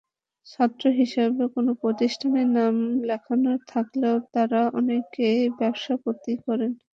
ছাত্র হিসেবে কোনো প্রতিষ্ঠানে নাম লেখানো থাকলেও তাঁরা অনেকেই ব্যবসাপাতি করেন।